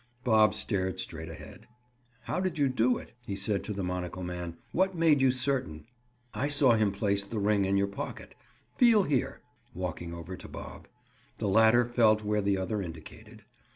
Bob stared straight ahead. "How did you do it?" he said to the monocle man. "What made you certain?" "I saw him place the ring in your pocket. Feel here," walking over to Bob. The latter felt where the other indicated.